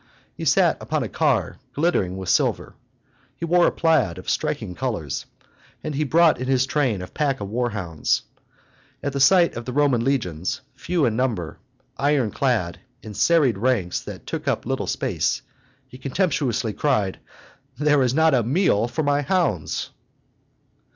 He sat upon a car glittering with silver; he wore a plaid of striking colors; and he brought in his train a pack of war hounds. At the sight of the Roman legions, few in number, iron clad, in serried ranks that took up little space, he contemptuously cried, "There is not a meal for my hounds."